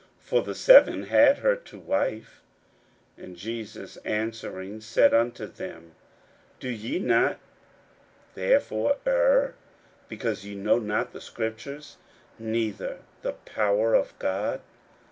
for the seven had her to wife. 41:012:024 And Jesus answering said unto them, Do ye not therefore err, because ye know not the scriptures, neither the power of God?